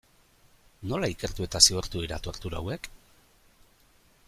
Nola ikertu eta zigortu dira tortura hauek?